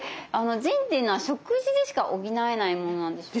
腎っていうのは食事でしか補えないものなんでしょうか？